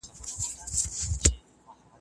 په دې توګه د ځان ملامتولو احساس کمېږي.